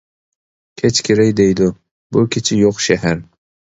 كەچ كىرەي دەيدۇ، بۇ كېچە يوق شەھەر.